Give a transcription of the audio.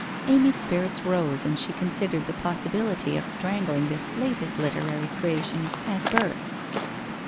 Amy's spirits rose and she considered the possibility of strangling this latest literary creation at birth.